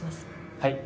はい。